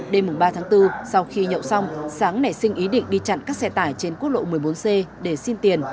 đêm ba tháng bốn sau khi nhậu xong sáng nảy sinh ý định đi chặn các xe tải trên quốc lộ một mươi bốn c để xin tiền